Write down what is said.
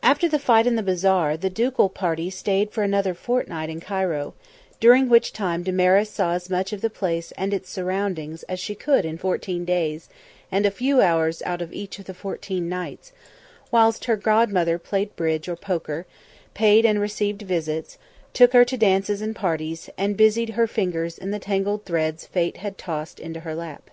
After the fight in the bazaar, the ducal party stayed for another fortnight in Cairo, during which time Damaris saw as much of the place and its surroundings as she could in fourteen days and a few hours out of each of the fourteen nights; whilst her godmother played bridge or poker, paid and received visits, took her to dances and parties, and busied her fingers in the tangled threads Fate had tossed into her lap.